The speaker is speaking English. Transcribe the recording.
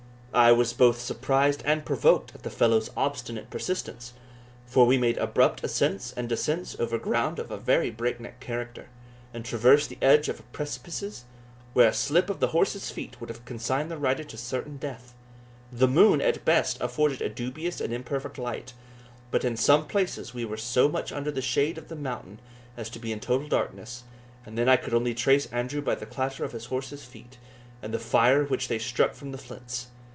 I was both surprised and provoked at the fellow's obstinate persistence, for we made abrupt ascents and descents over ground of a very break neck character, and traversed the edge of precipices, where a slip of the horse's feet would have consigned the rider to certain death. The moon, at best, afforded a dubious and imperfect light; but in some places we were so much under the shade of the mountain as to be in total darkness, and then I could only trace Andrew by the clatter of his horse's feet, and the fire which they struck from the flints.